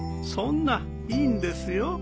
そんないいんですよ。